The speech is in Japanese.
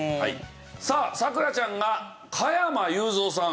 さあ咲楽ちゃんが加山雄三さん。